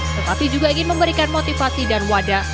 tetapi juga ingin memberikan motivasi dan wadah